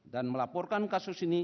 dan melaporkan kasus ini